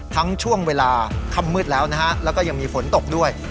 ช่วงเวลาค่ำมืดแล้วนะฮะแล้วก็ยังมีฝนตกด้วย